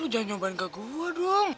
lu jangan nyobain ke gue dong